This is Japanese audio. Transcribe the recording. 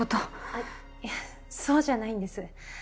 あっいえそうじゃないんです。